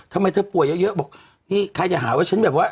ทำไมเธอป่วยเยอะบอกนี่ใครจะหาว่าฉันแบบว่า